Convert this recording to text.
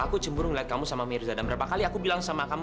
aku gak marah sama kamu